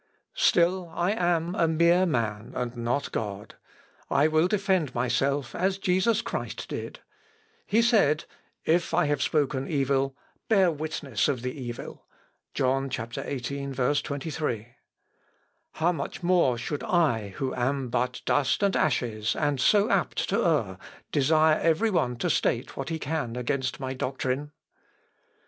"Still I am a mere man and not God; and I will defend myself as Jesus Christ did. He said, 'If I have spoken evil, bear witness of the evil,' (John, xviii, 23.) How much more should I, who am but dust and ashes and so apt to err, desire every one to state what he can against my doctrine?